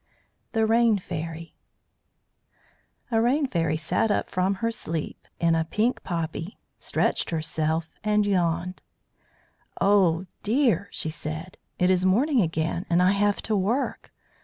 THE RAIN FAIRY A rain fairy sat up from her sleep in a pink poppy, stretched herself, and yawned. "Oh, dear!" she said. "It is morning again, and I have to work.